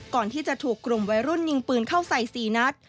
ก่อนที่จะถูกกลุ่มวัยรุ่นยิงปืนเข้าใส่๔นัด